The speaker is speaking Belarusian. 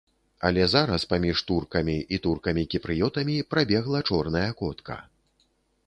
Але зараз паміж туркамі і туркамі-кіпрыётамі прабегла чорная котка.